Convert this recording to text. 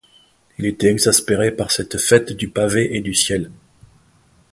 Il était exaspéré par cette fête du pavé et du ciel.